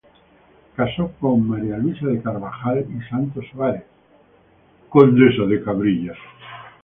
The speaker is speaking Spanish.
Casó con María Luisa de Carvajal y Santos-Suárez, condesa de Cabrillas.